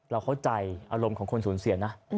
เราเข้าใจอารมณ์ของคนสูญเสียนะ